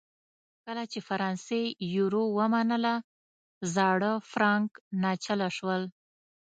کله چې فرانسې یورو ومنله زاړه فرانک ناچله شول.